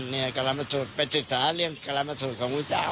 เนี่ยกรรมสูตรไปศึกษาเรื่องกรรมสูตรของวุฒาวะ